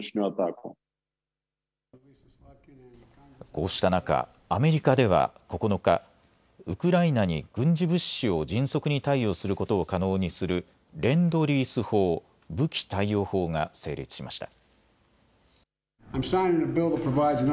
こうした中、アメリカでは９日ウクライナに軍事物資を迅速に貸与することを可能にするレンドリース法・武器貸与法が成立しました。